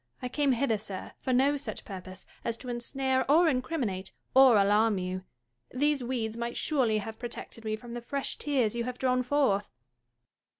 I came hither, sir, for no such purpose as to ensnare or incriminate or alarm you. These weeds might surely have protected me from the fresh tears you have drawn forth.